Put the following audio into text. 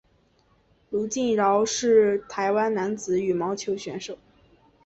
卢敬尧是台湾男子羽毛球选手。